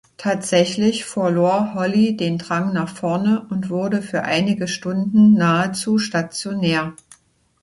Tatsächlich verlor Holly den Drang nach vorne und wurde für einige Stunden nahezu stationär.